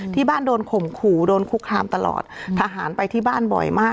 ที่บ้านโดนข่มขู่โดนคุกคามตลอดทหารไปที่บ้านบ่อยมาก